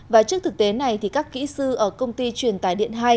và trước thực tế này thì các kỹ sư ở công ty truyền tài điện hai